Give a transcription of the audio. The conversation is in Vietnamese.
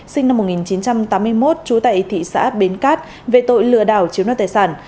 sinh năm một nghìn chín trăm tám mươi một chú tại thị xã bến cát về tội lừa đảo chiếu nợ tài sản